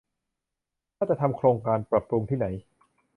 ถ้าจะทำโครงการปรับปรุงที่ไหน